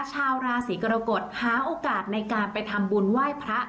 ชาวราศีกรกฎหาโอกาสในการไปทำบุญไหว้พระ